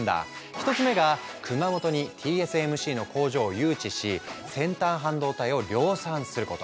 １つ目が熊本にＴＳＭＣの工場を誘致し先端半導体を量産すること。